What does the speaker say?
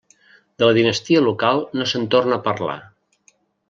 De la dinastia local no se'n torna a parlar.